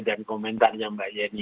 dan komentarnya mbak yeni